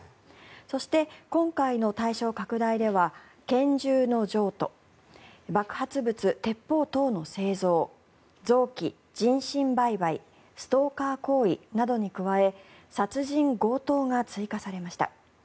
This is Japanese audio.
そして、今回の対象拡大では拳銃の譲渡爆発物・鉄砲等の製造臓器・人身売買ストーカー行為などに加え殺人・強盗が追加されました。